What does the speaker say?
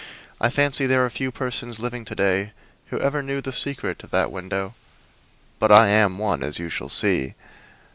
I fancy there are few persons living to day who ever knew the secret of that window, but I am one, as you shall see.